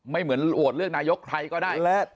เหมือนโหวตเลือกนายกใครก็ได้